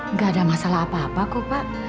nggak ada masalah apa apa kok pak